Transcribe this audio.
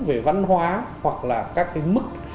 về văn hóa hoặc là các cái mức